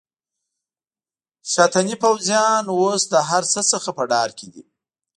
شاتني پوځیان اوس له هرڅه څخه په ډار کې دي.